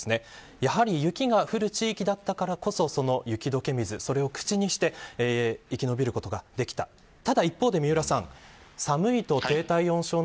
やはり雪が降る地域だったからこそ雪解け水を口にして生き延びることができました。